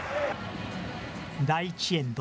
第１エンド。